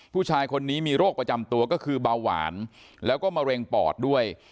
ผู้ชายคนนี้มีโรคประจำตัวก็คือเบาหวานแล้วก็มะเร็งปอดด้วย